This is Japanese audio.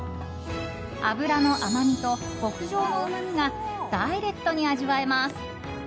脂の甘みと極上のうまみがダイレクトに味わえます。